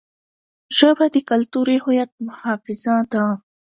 ژبه د کلتوري هویت محافظه ده.